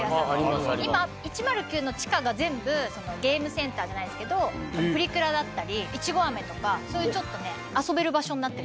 今１０９の地下が全部ゲームセンターじゃないですけどプリクラだったりいちごあめとかそういうちょっとねへえそれ